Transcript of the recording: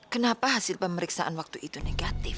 kenapa hasil pemeriksaan waktu itu negatif